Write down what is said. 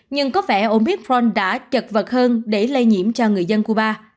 nhưng có vẻ omicron đã chật vật hơn để lây nhiễm cho người dân cuba